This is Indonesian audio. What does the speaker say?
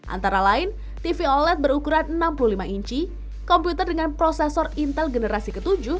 antara lain tv oled berukuran enam puluh lima inci komputer dengan prosesor intel generasi ke tujuh